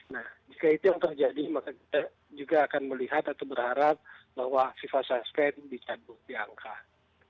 nah jika itu yang terjadi maka kita juga akan melihat atau berharap bahwa fifa suspen bisa bukti angka